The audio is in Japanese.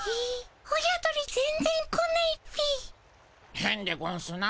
へんでゴンスな。